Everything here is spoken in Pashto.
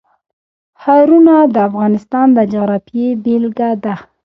ښارونه د افغانستان د جغرافیې بېلګه ده.